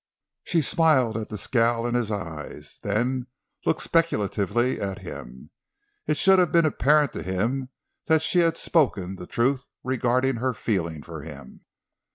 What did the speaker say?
She smiled at the scowl in his eyes, then looked speculatively at him. It should have been apparent to him that she had spoken the truth regarding her feeling for him.